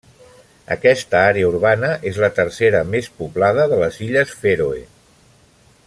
Aquesta àrea urbana és la tercera més poblada de les Illes Fèroe.